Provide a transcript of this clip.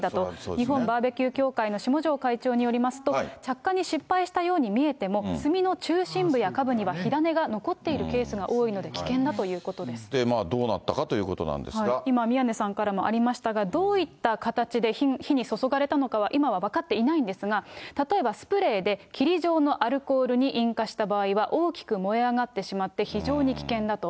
日本バーベキュー協会の下城会長によりますと、着火に失敗したように見えても、炭の中心部や下部には火種が残っているケースが多いので、危険だどうなったかということなん今、宮根さんからもありましたが、どういった形で火に注がれたのかは、今は分かっていないんですが、例えばスプレーで霧状のアルコールに引火した場合は、大きく燃え上がってしまって、非常に危険だと。